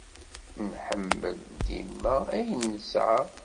Nḥemmel dima ayen nesεa.